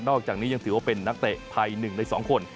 อกจากนี้ยังถือว่าเป็นนักเตะไทย๑ใน๒คน